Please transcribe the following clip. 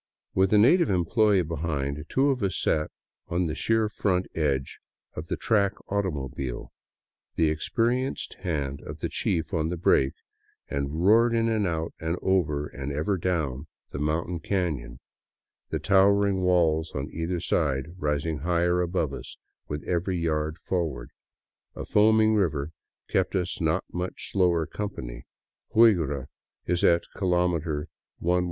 With a native employee behind, the two of us sat on the sheer front edge of the track automobile, the experienced hand of the chief on the brake, and roared in and out and ever down the mountain caiion, the towering walls on either side rising higher above us with every yard forward, a foaming river keeping us a not much slower company. Huigra is at kilometer 117.